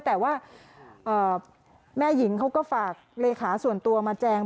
แต่ว่าแม่หญิงเขาก็ฝากเลขาส่วนตัวมาแจง